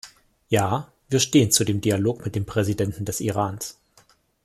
Ja, wir stehen zu dem Dialog mit dem Präsidenten des Irans.